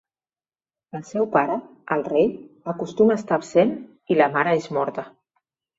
El seu pare, el rei, acostuma a estar absent i la mare és morta.